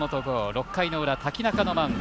６回の裏、瀧中のマウンド。